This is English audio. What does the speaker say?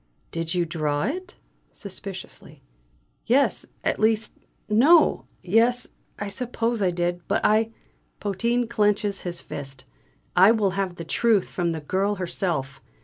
"Did you draw it?" suspiciously. "Yes. At least, no! Yes, I suppose I did. But I " Potin clenches his fist: "I will have the truth from the girl herself!